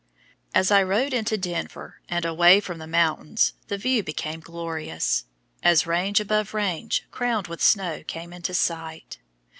As I rode into Denver and away from the mountains the view became glorious, as range above range crowned with snow came into sight.